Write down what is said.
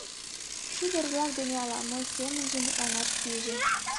Шӱдыр-влак дене ала-мом семынже мутланаш пиже.